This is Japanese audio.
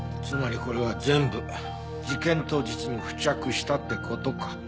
つまりこれは全部事件当日に付着したって事か。